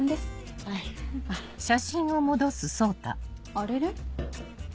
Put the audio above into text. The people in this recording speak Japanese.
あれれ？